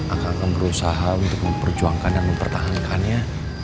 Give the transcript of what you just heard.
akan berusaha untuk memperjuangkan dan mempertahankannya